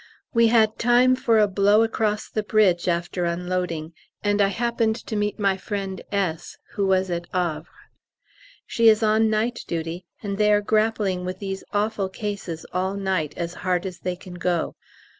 We had time for a blow across the bridge after unloading, and I happened to meet my friend S. (who was at Havre). She is on night duty, and they are grappling with those awful cases all night as hard as they can go.